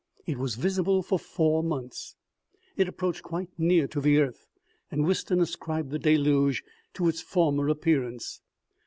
It was visible for four months. It approached quite near to the earth, and Winston ascribed the deluge to its former ap pearance."